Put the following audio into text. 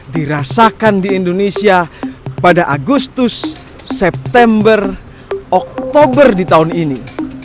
dirasakan di indonesia pada agustus september oktober di tahun ini